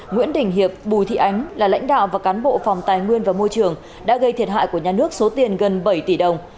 nguyễn đình hiệp bùi thị ánh là lãnh đạo và cán bộ phòng tài nguyên và môi trường đã gây thiệt hại của nhà nước số tiền gần bảy tỷ đồng